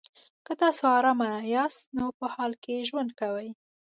که تاسو ارامه یاست نو په حال کې ژوند کوئ.